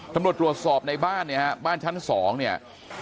ตำรวจตรวจสอบในบ้านเนี่ยฮะบ้านชั้นสองเนี่ย